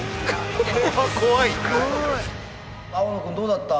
青野君どうだった？